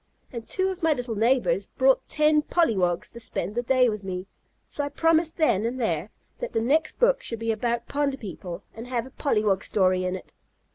And two of my little neighbors brought ten Polliwogs to spend the day with me, so I promised then and there that the next book should be about pond people and have a Polliwog story in it.